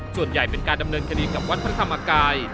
ส่วนใหญ่เป็นการดำเนินคดีกับวัดพระธรรมกาย